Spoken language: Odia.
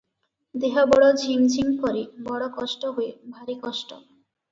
ଦେହ ବଡ଼ ଝିମ୍ ଝିମ୍ କରେ, ବଡ଼ କଷ୍ଟ ହୁଏ – ଭାରି କଷ୍ଟ ।